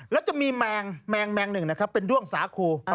แล้วจะมีแมงแมงแมงหนึ่งนะครับเป็นด้วงสาคู